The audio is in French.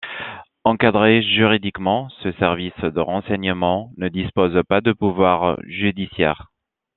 Encadré juridiquement, ce service de renseignement ne dispose pas de pouvoir judiciaire.